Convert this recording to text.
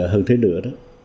hơn thế nữa